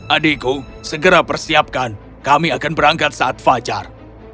adikku segera persiapkan kami akan berangkat saat fajar